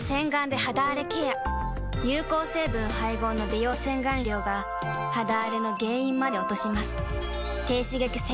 有効成分配合の美容洗顔料が肌あれの原因まで落とします